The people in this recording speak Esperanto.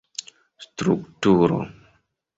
strukturo